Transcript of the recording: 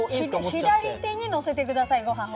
左手にのせてくださいごはんを。